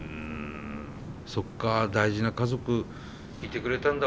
そっか大事な家族いてくれたんだ